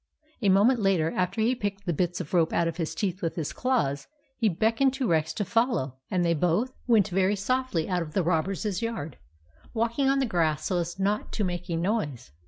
A moment later, after he had picked the bits of rope out of his teeth with his claws, he beckoned to Rex to follow, and they both THE ROBBERS 63 went very softly out of the robbers' yard, walking on the grass so as not to make a noise.